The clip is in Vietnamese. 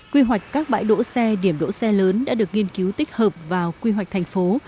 quy hoạch các bãi đỗ xe điểm đỗ xe lớn đã được nghiên cứu tích hợp vào quy hoạch thành phố